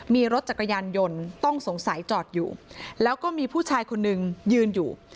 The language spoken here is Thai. มีรถจักรยานยนต์ต้องสงสัยจอดอยู่แล้วก็มีผู้ชายคนนึงยืนอยู่